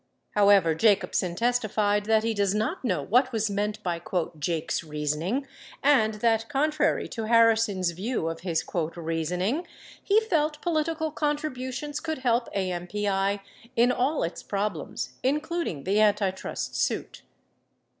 26 However, Jacobsen testified that he does not know what was meant by "Jake's reasoning," and that, contrary to Harrison's view of his "reasoning," he felt political contributions could help AMPI in all its problems, including the antitrust suit.